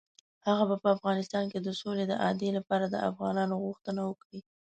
هغه به په افغانستان کې د سولې د اعادې لپاره د افغانانو غوښتنه وکړي.